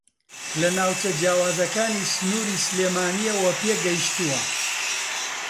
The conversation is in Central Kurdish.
لە ناوچە جیاوازەکانی سنووری سلێمانییەوە پێگەیشتووە